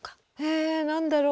え何だろう。